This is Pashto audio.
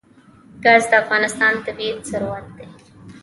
ګاز د افغانستان طبعي ثروت دی.